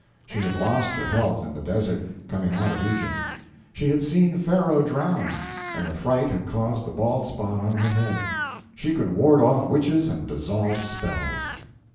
She had lost her health in the desert, coming out of Egypt. She had seen Pharaoh drown, and the fright had caused the bald spot on her head. She could ward off witches and dissolve spells.